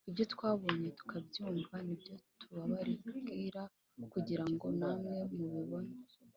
Ibyo twabonye tukabyumva ni byo tubabwira kugira ngo namwe mubibone